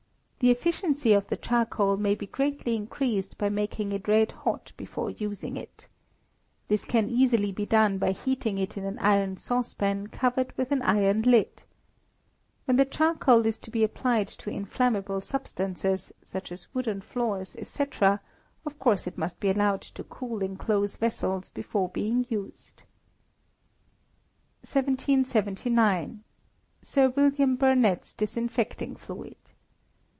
The efficiency of the charcoal may be greatly increased by making it red hot before using it. This can easily be done by heating it in an iron saucepan covered with an iron lid. When the charcoal is to be applied to inflammable substances, such as wooden floors, &c., of course it must be allowed to cool in close vessels before being used. 1779. Sir William Burnett's Disinfecting Fluid.